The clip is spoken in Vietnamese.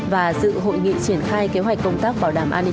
và dự hội nghị triển khai kế hoạch công tác bảo đảm an ninh